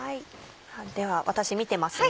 では私見てますね。